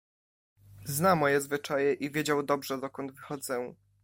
"Zna moje zwyczaje i wiedział dobrze, dokąd wychodzę."